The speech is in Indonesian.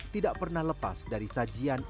tidak pernah lepas dari sajian